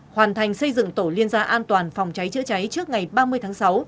hoàn thành xây dựng tổ liên gia an toàn phòng cháy chữa cháy trước ngày ba mươi tháng sáu